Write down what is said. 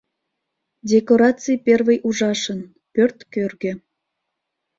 Декораций первый ужашын, пӧрт кӧргӧ.